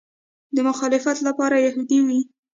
د مخالفت لپاره یهودي وي.